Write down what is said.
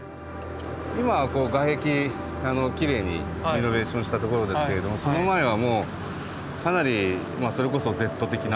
今はこう外壁きれいにリノベーションしたところですけれどもその前はもうかなりまあそれこそＺ的な。